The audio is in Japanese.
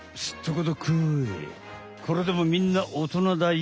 これでもみんなおとなだよ。